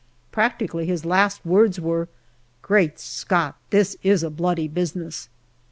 Practically his last words were, " Great Scott ! this is a bloody business."